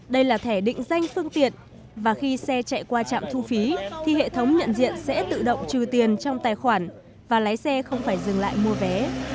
đây là thẻ định danh phương tiện và khi xe chạy qua trạm thu phí thì hệ thống nhận diện sẽ tự động trừ tiền trong tài khoản và lái xe không phải dừng lại mua vé